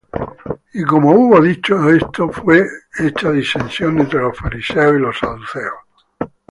Y como hubo dicho esto, fué hecha disensión entre los Fariseos y los Saduceos;